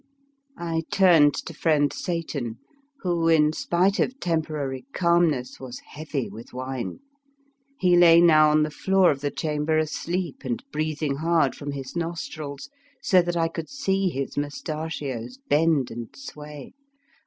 I turned to friend Satan, who, in spite of temporary calmness, was heavy with wine. He lay now on the floor of the chamber asleep and breathing hard from his nostrils, so that I could see his moustachios bend and sway.